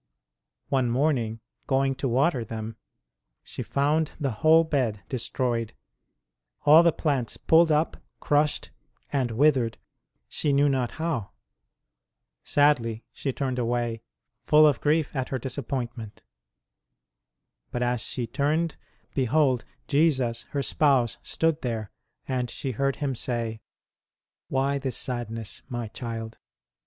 One morning, going to water them, she found the whole bed destroyed all the plants pulled up, crushed, and withered, she knew not how. Sadly she turned away, full of grief at her disappoint DIVINE VISITANTS TO HER CELL 165 ment. But as she turned, behold Jesus her Spouse stood there, and she heard Him say : 1 Why this sadness, My child